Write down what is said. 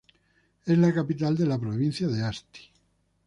Es la capital de la provincia de Asti.